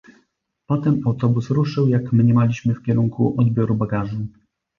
Potem autobus ruszył, jak mniemaliśmy, w kierunku odbioru bagażu